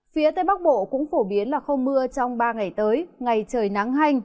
phía tây bắc bộ cũng phổ biến là không mưa trong ba ngày tới ngày trời nắng hanh